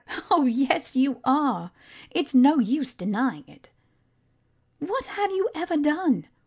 Oh yes you are: it's no use denying it. What have you ever done?